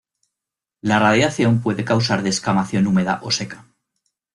La radiación puede causar descamación húmeda o seca.